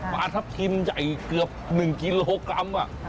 ปลาทับทิมใหญ่เกือบ๑กิโลกรัม